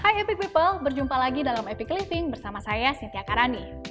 hai epic people berjumpa lagi dalam epic living bersama saya sintia karani